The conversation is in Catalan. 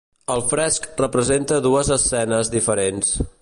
El fresc representa dues escenes diferents.